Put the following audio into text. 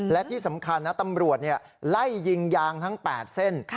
และที่สำคัญนะตำรวจไล่ยิงยางทั้ง๘เส้น